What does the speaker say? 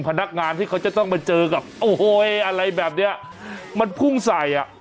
พนักงานที่เขาจะต้องมาเจอกับโอ้โหอะไรแบบเนี้ยมันพุ่งใส่อ่ะ